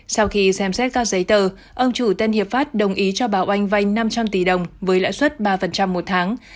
sau khi xem xét các giấy tờ ông chủ tân hiệp pháp đồng ý cho báo oanh vay năm trăm linh tỷ đồng với lãi suất ba một tháng